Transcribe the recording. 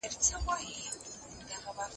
که عصبیت نه وي دولت ماتیږي.